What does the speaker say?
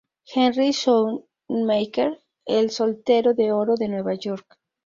Henry Schoonmaker-El soltero de oro de Nueva York.